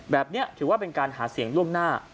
แบบนี้ถือว่าเป็นการหาเสียงล่วงหน้า